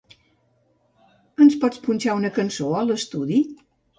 Ens pots punxar una cançó a l'estudi?